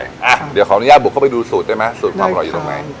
อ่ะเดี๋ยวขออนุญาตบุกเข้าไปดูสูตรได้ไหมสูตรความอร่อยอยู่ตรงไหน